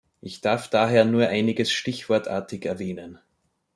Ich darf daher nur einiges stichwortartig erwähnen.